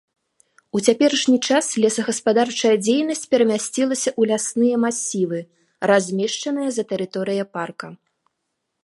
У цяперашні час лесагаспадарчая дзейнасць перамясцілася ў лясныя масівы, размешчаныя за тэрыторыяй парка.